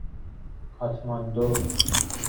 کاتماندو